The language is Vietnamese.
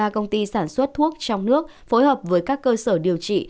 ba công ty sản xuất thuốc trong nước phối hợp với các cơ sở điều trị